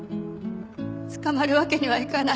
捕まるわけにはいかない。